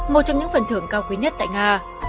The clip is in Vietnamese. một trong những phần thưởng cao quý nhất tại nga